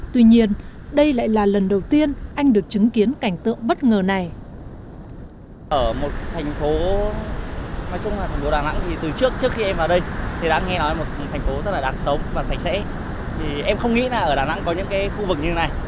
tuy nhiên đây lại là lần đầu tiên anh được chứng kiến cảnh tượng bất ngờ này